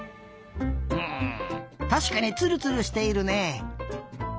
うんたしかにツルツルしているね。